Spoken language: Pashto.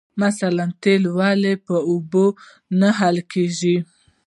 مثلاً تیل ولې په اوبو کې نه حل کیږي